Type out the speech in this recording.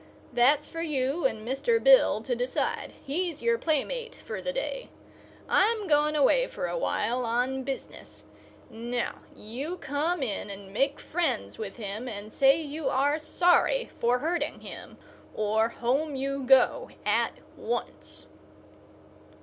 "That's for you and Mr. Bill to decide. He's your playmate for the day. I'm going away for a while, on business. Now, you come in and make friends with him and say you are sorry for hurting him, or home you go, at once."